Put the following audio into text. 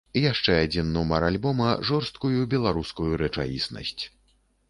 Яшчэ адзін нумар альбома жорсткую беларускую рэчаіснасць.